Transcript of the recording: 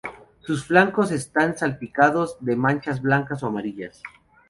Sus flancos están salpicados de manchas blancas o amarillas.